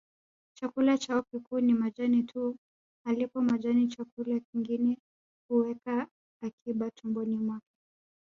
Chakula chao kikuu ni majani tu alipo majani chakula kingine huweka akiba tumboni mwake